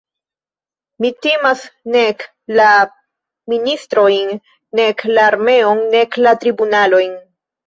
Mi timas nek la ministrojn, nek la armeon, nek la tribunalojn.